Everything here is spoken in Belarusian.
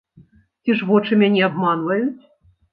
Ці ж вочы мяне абманваюць?